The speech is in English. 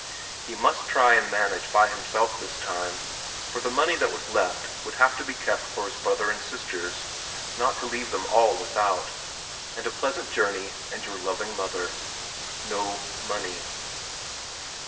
He must try and manage by himself this time, for the money that was left would have to be kept for his brother and sisters, not to leave them all without. And a pleasant journey and your loving mother. No money.